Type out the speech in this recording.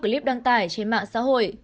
trong clip đăng tải trên mạng xã hội